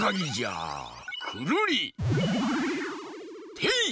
てい！